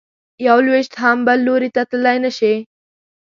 یو لویشت هم بل لوري ته تلی نه شې.